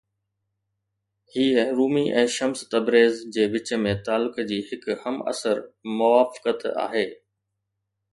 هي Rumi ۽ Shams Tabriz جي وچ ۾ تعلق جي هڪ همعصر موافقت آهي.